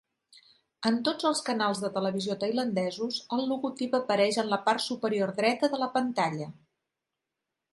En tots els canals de televisió tailandesos el logotip apareix en la part superior dreta de la pantalla.